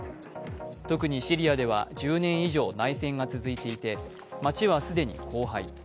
特にシリアでは１０年以上内線が続いていて町は既に荒廃。